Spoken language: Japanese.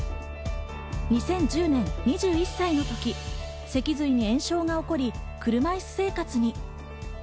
２０１０年、２１歳のとき脊髄に炎症が起こり車いす生活に。